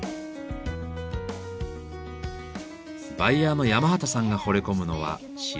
バイヤーの山端さんがほれ込むのは白い器。